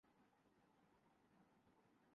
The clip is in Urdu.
آزمائش میں کتنے سرخرو نکل رہے ہیں۔